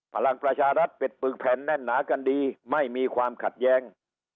พลังประชารัฐเป็ดปึกแผ่นแน่นหนากันดีไม่มีความขัดแย้ง